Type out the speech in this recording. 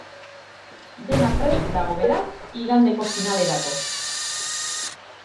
Dena prest dago beraz igandeko finalerako.